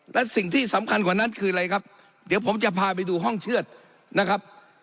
และสิ่งที่สำคัญกว่านั้นคืออะไรครับเดี๋ยวผมจะพาไปดูห้องเชือดนะครับ